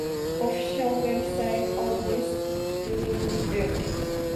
Official website of Miss Divine Beauty